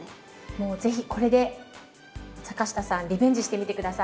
もう是非これで坂下さんリベンジしてみて下さい。